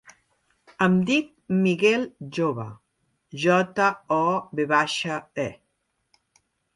Em dic Miguel Jove: jota, o, ve baixa, e.